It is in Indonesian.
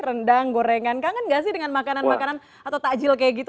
rendang gorengan kangen gak sih dengan makanan makanan atau takjil kayak gitu